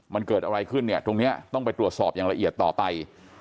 มันเกิดอะไรขึ้นเนี่ยตรงนี้ต้องไปตรวจสอบอย่างละเอียดต่อไป